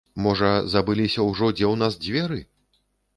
Можа, забыліся ўжо, дзе ў нас дзверы?